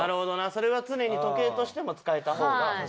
それは常に時計としても使えた方が。